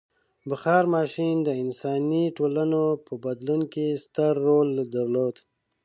• بخار ماشین د انساني ټولنو په بدلون کې ستر رول درلود.